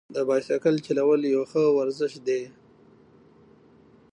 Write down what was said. د بایسکل چلول یو ښه ورزش دی.